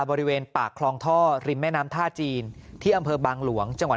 บริเวณปากคลองท่อริมแม่น้ำท่าจีนที่อำเภอบางหลวงจังหวัด